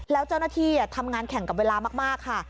แล้วเจ้าหน้าที่ทำงานแข่งกับเวลามากค่ะ